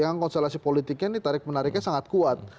yang konstelasi politiknya ini tarik menariknya sangat kuat